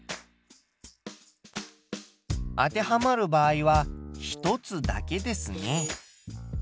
当てはまる場合は１つだけですね。